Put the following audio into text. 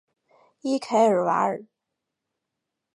伊凯尔瓦尔。